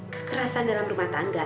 kekerasan dalam rumah tangga